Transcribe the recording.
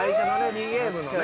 ２ゲームのね。